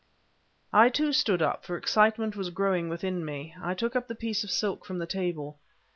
I, too, stood up; for excitement was growing within me. I took up the piece of silk from the table.